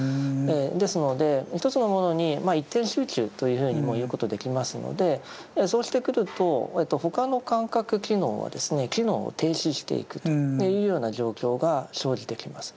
ですので一つのものにまあ一点集中というふうにも言うことできますのでそうしてくると他の感覚機能は機能を停止していくというような状況が生じてきます。